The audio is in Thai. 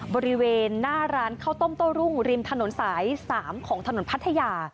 บริเวณหน้าร้านข้าวต้มโต้รุ่งริมถนนสาย๓ของถนนพัทยา